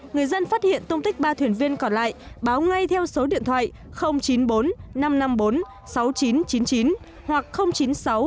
người dân phát hiện tông tích ba thuyền viên còn lại báo ngay theo số điện thoại chín mươi bốn năm trăm năm mươi bốn sáu nghìn chín trăm chín mươi chín hoặc chín mươi sáu ba trăm bốn mươi bảy bốn nghìn chín trăm chín mươi chín